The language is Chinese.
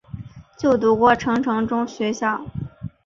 就读过成城学校。